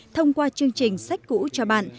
thông qua chương trình sách cũ cho bạn